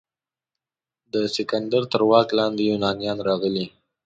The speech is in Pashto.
د سکندر تر واک لاندې یونانیان راغلي.